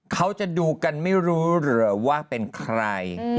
เขาจะดูกันไม่รู้เหรอว่าเป็นใคร